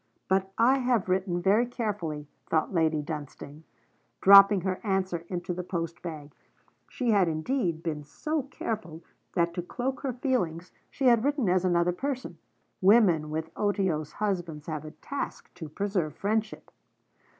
But I have written very carefully, thought Lady Dunstane, dropping her answer into the post bag. She had, indeed, been so care ful, that to cloak her feelings, she had written as another person. Women with otiose husbands have a task to preserve friendship.